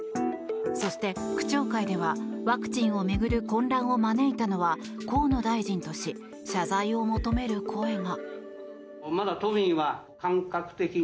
そして区長会ではワクチンを巡る混乱を招いたのは河野大臣とし謝罪を求める声が。